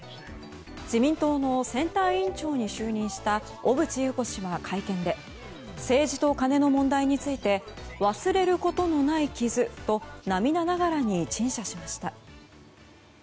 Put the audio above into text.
自民党の選対委員長に就任した小渕優子氏は会見で政治とカネの問題について忘れることのない傷と涙ながらに陳謝しました。